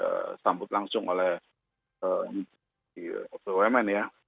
terus sambut langsung oleh di oms ya